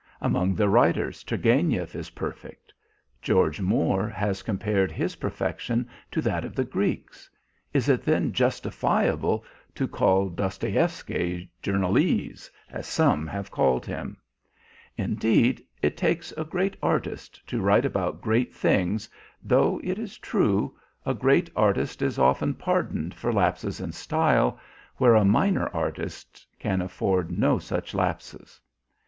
Among the writers Turgenev is perfect. George Moore has compared his perfection to that of the Greeks; is it then justifiable to call Dostoevsky journalese, as some have called him? Indeed, it takes a great artist to write about great things, though, it is true, a great artist is often pardoned for lapses in style, where a minor artist can afford no such lapses.